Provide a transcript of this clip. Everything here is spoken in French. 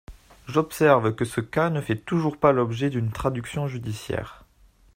J’observe que ce cas ne fait toujours pas l’objet d’une traduction judiciaire.